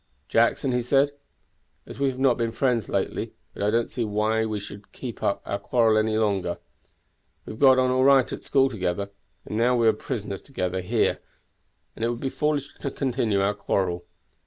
"Jackson," he said, "we have not been friends lately, but I don't see why we should keep up our quarrel any longer; we got on all right at school together; and now we are prisoners together here it would be foolish to continue our quarrel.